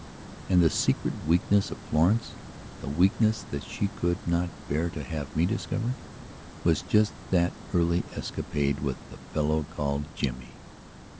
And the secret weakness of Florencethe weakness that she could not bear to have me discover, was just that early escapade with the fellow called Jimmy.